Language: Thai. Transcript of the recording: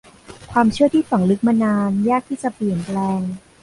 ความเชื่อที่ฝังลึกมานานยากที่จะเปลี่ยนแปลง